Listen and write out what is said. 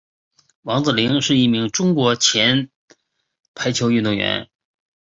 王子凌是一名中国前排球运动员。